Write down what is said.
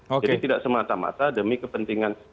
jadi tidak semata mata demi kepentingan